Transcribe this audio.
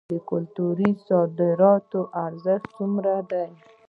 د کلتوري صادراتو ارزښت څومره دی؟